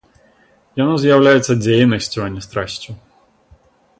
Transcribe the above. Яно з'яўляецца дзейнасцю, а не страсцю.